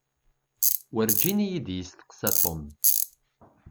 Werǧin iyi-d-isteqsa Tom.